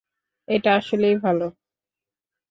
এটা আসলেই ভালো।